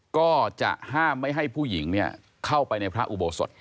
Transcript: ก็จะห้ามไม่ให้ผู้หญิงเข้าไปในพระอุโบสถ